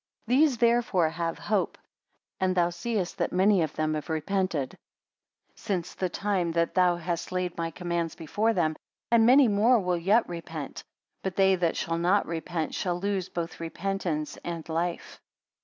54 These therefore have hope; and thou seest that many of them have repented, since the time that thou hast laid my commands before them; and many more will yet repent. But they, that shall not repent; shall lose both repentance and life.